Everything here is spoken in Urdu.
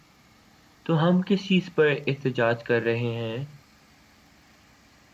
تو ہم کس چیز پہ احتجاج کر رہے ہیں؟